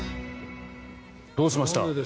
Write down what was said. どうしました。